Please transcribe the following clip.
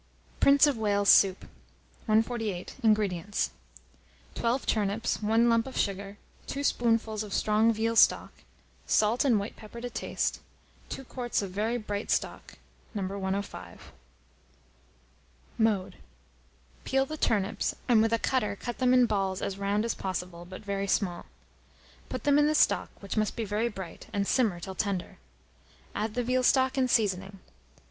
PRINCE OF WALES'S SOUP. 148. INGREDIENTS. 12 turnips, 1 lump of sugar, 2 spoonfuls of strong veal stock, salt and white pepper to taste, 2 quarts of very bright stock, No. 105. Mode. Peel the turnips, and with a cutter cut them in balls as round as possible, but very small. Put them in the stock, which must be very bright, and simmer till tender. Add the veal stock and seasoning.